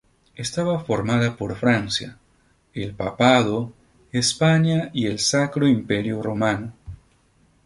Estaba formada por Francia, el Papado, España y el Sacro Imperio Romano.